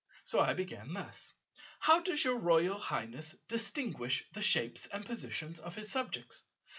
So I began thus: "How does your Royal Highness distinguish the shapes and positions of his subjects?